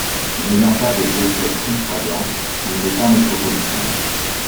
N'ayant pas de diocèse suffragant, il n'est pas métropolitain.